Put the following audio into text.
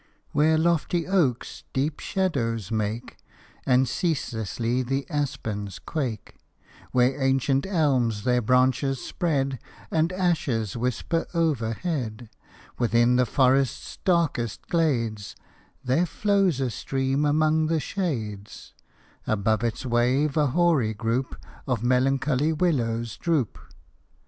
Where lofty oaks deep shadows make, And ceaselessly the aspens quake, Where ancient elms their branches spread, And ashes whisper overhead ; Within the forest's darkest glades There flows a stream among the shades, Above its wave a hoary group Of melancholy willows droop.